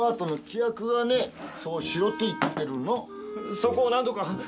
そこをなんとか！